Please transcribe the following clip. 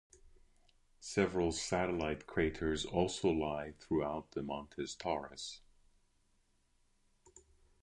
Several satellite craters also lie throughout the Montes Taurus.